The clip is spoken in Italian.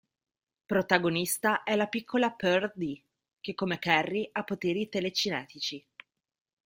Protagonista è la piccola Pearl Dee che come Carrie ha poteri telecinetici.